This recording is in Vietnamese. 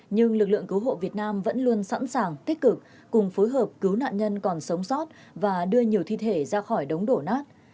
nhưng lực lượng cứu hộ việt nam vẫn luôn sẵn sàng tích cực cùng phối hợp cứu nạn nhân còn sống sót và đưa nhiều thi thể ra khỏi đống đổ nát